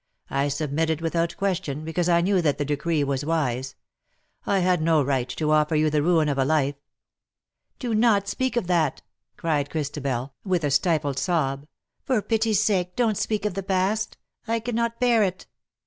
I submitted without question, because I knew that the decree was wise. I had no right to offer you the ruin of a life "" Do not speak of that,'* cried Christabel, with a 278 '^AND TIME IS SETTING Wl' ME, O." stifled sob_, " for pity^s sake don^t speak of the past : I caniiot bear it."